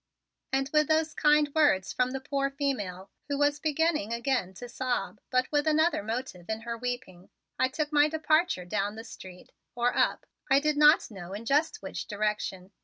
And with those kind words from the poor female, who was beginning again to sob but with another motive in her weeping, I took my departure down the street or up I did not know in just which direction.